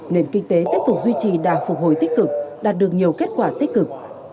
nền kinh tế tiếp tục duy trì đà phục hồi tích cực đạt được nhiều kết quả tích cực